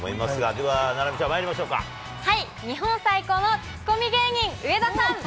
では菜波ちゃん、まいりましょう日本最高のツッコミ芸人、上田さん。